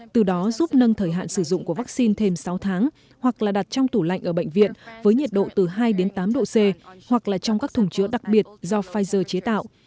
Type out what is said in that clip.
từ đó giúp nâng thời hạn sử dụng của vaccine thêm sáu tháng hoặc là đặt trong tủ lạnh ở bệnh viện với nhiệt độ từ hai đến tám độ c hoặc là trong các thùng chữa đặc biệt do pfizer chế tạo